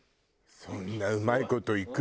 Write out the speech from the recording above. そんなうまい事いく？